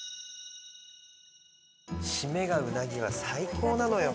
締めがうなぎは最高なのよ。